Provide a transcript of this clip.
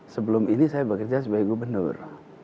sebelum ini saya bekerja sebagai gubernur